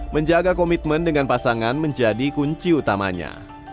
menjaga komitmen dengan pasangan menjadi kunci utamanya